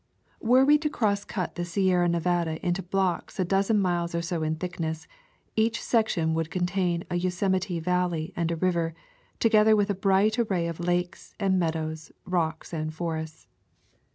ERE we to cross cut the Sierra Nevada into blocks a dozen miles or so in thickness, each section would contain a Yosemite Valley and a river, together with a bright array of lakes and mead ows, rocks and forests.